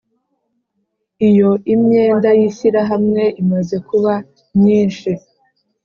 Iyo imyenda y Ishyirahamwe imaze kuba nyinshi